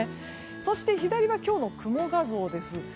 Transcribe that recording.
そして、左は今日の雲画像です。